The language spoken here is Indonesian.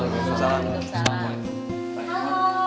kita mau disini